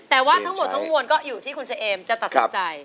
แต่ว่าทั้งหมดทั้งมวลก็อยู่ที่คุณเฉเอมจะตัดสินใจ